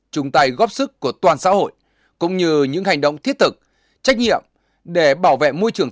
chung tay góp sức của toàn xã hội cũng như những hành động thiết thực trách nhiệm để bảo vệ môi trường